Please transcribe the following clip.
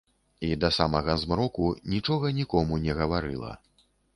І да самага змроку нічога нікому не гаварыла.